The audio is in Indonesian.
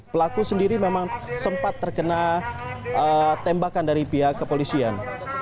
pelaku sendiri memang sempat terkena tembakan dari pihak kepolisian